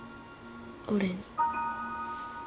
俺に。